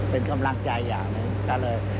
เป็นคำลังใจอย่างนี้